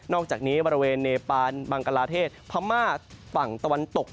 อกจากนี้บริเวณเนปานบังกลาเทศพม่าฝั่งตะวันตก